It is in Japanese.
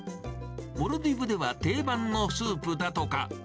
モルディブでは定番のスープだとか。